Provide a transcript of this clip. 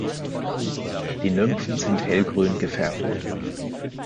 Die Nymphen sind hellgrün gefärbt.